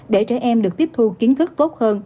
để trẻ em được tiếp thu kiến thức tốt hơn